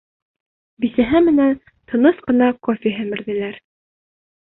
Бисәһе менән тыныс ҡына кофе һемерҙеләр.